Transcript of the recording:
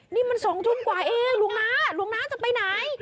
นี่มัน๒ทุ่มกว่าเองลุงน้าลุงน้าจะไปไหน